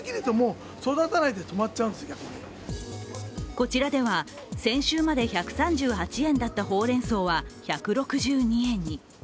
こちらでは先週まで１３８円だったほうれんそうは１６２円に。